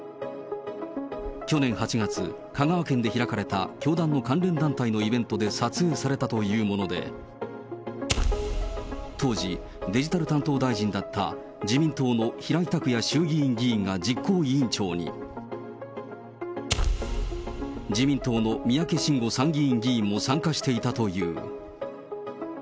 去年８月、香川県で開かれた教団の関連団体のイベントで撮影されたというもので、当時、デジタル担当大臣だった自民党の平井卓也衆議院議員が実行委員長に、自民党の三宅伸吾参議院議員も参加していたという。